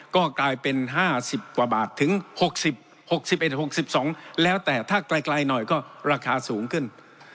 ก็กลายเป็นห้าสิบกว่าบาทถึงหกสิบหกสิบเอ็ดหกสิบสองแล้วแต่ถ้ากลายกลายหน่อยก็ราคาสูงขึ้น